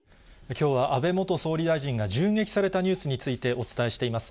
きょうは、安倍元総理大臣が銃撃されたニュースについてお伝えしています。